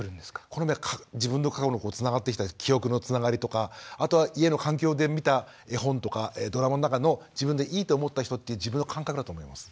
好みは自分の過去のつながってきた記憶のつながりとかあとは家の環境で見た絵本とかドラマの中の自分でいいと思った人っていう自分の感覚だと思います。